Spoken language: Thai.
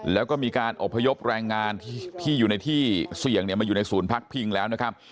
แล้วก็มีการอบพยพแรงงานที่อยู่ในที่เสี่ยงมาอยู่ในศูนย์พักพิงแล้วนะครับ